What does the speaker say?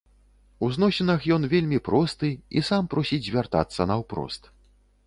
У зносінах ён вельмі просты і сам просіць звяртацца наўпрост.